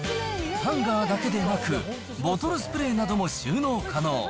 ハンガーだけでなく、ボトルスプレーなども収納可能。